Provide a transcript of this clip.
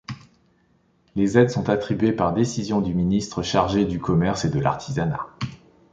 Les aides sont attribuées par décision du ministre chargé du commerce et de l’artisanat.